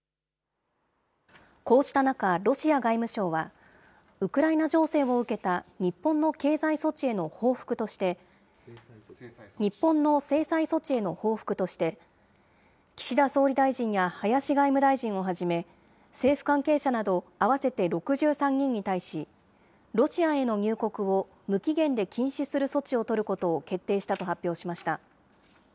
こうした中、ロシア外務省は、ウクライナ情勢を受けた日本の制裁措置への報復として、岸田総理大臣や林外務大臣をはじめ、政府関係者など、合わせて６３人に対し、ロシアへの入国を無期限で禁止する措置を取ることを決定したと発表しました。